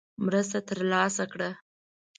مرسته ترلاسه کړه.